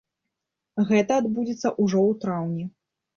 Гэта адбудзецца ўжо ў траўні.